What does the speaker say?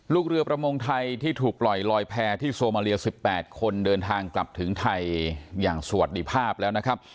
ลูกเรือประมงไทยที่ถูกปล่อยลอยแพร่ที่โซมาเลีย๑๘คนเดินทางกลับถึงไทยอย่างสวัสดีภาพแล้วนะครับ